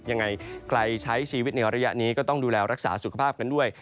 ยังไงใครใช้ชีวิตในระยะนี้ก็ต้องดูแลรักษาสุขภาพกันด้วย